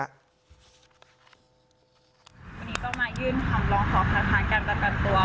วันนี้ก็มายื่นคำร้องขอคัดค้านการประกันตัว